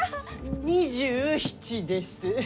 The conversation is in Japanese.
２７です。